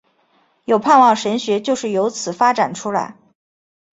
其盼望神学就是有此发展出来。